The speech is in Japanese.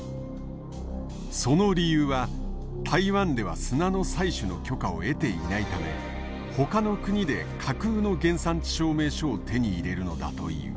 その理由は台湾では砂の採取の許可を得ていないためほかの国で架空の原産地証明書を手に入れるのだという。